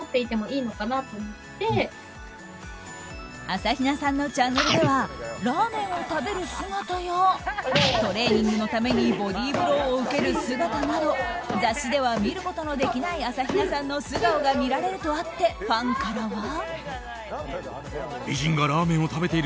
朝比奈さんのチャンネルではラーメンを食べる姿やトレーニングのためにボディーブローを受ける姿など雑誌では見ることのできない朝比奈さんの素顔が見られるとあってファンからは。